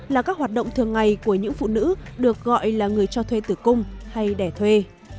là các hoạt động thường ngày của những phụ nữ được gọi là người cho thuê tử cung hay đẻ thuê